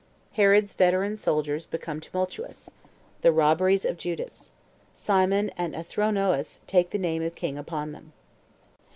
Herod's Veteran Soldiers Become Tumultuous. The Robberies Of Judas. Simon And Athronoeus Take The Name Of King Upon Them.